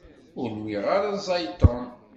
Ur nwiɣ ara ẓẓay Tom.